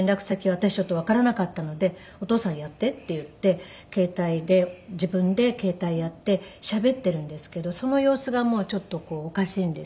私ちょっとわからなかったので「お父さんやって」って言って携帯で自分で携帯やってしゃべっているんですけどその様子がもうちょっとおかしいんですね。